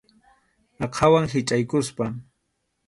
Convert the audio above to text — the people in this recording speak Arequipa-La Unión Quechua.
Aqhawan hichʼaykusqa.